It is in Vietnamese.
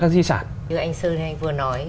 các di sản như anh sơn anh vừa nói